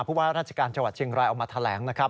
ว่าราชการจังหวัดเชียงรายออกมาแถลงนะครับ